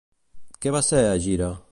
Què va ser Egira?